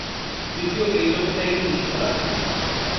দ্বিতীয়ত এই জগতে একজন ঈশ্বর আছেন।